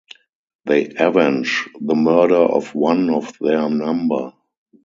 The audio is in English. They avenge the murder of one of their number.